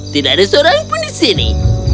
tidak ada seorang pun di sini